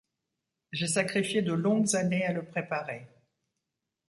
J'ai sacrifié de longues années à le préparer.